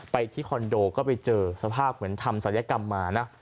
ที่คอนโดก็ไปเจอสภาพเหมือนทำศัลยกรรมมานะ